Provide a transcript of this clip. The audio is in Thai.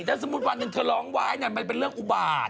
ถ้าสมมุติวันหนึ่งเธอร้องไหว้มันเป็นเรื่องอุบาต